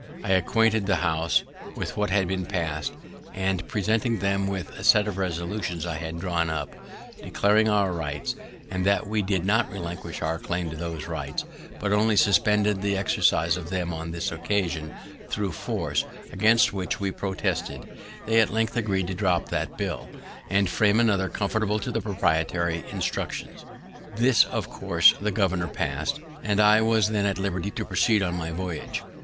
I acquainted the House with what had pass'd, and, presenting them with a set of resolutions I had drawn up, declaring our rights, and that we did not relinquish our claim to those rights, but only suspended the exercise of them on this occasion thro' force, against which we protested, they at length agreed to drop that bill, and frame another conformable to the proprietary instructions. This of course the governor pass'd, and I was then at liberty to proceed on my voyage.